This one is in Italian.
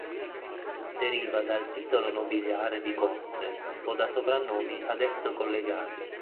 Deriva dal titolo nobiliare di conte, o da soprannomi ad esso collegati.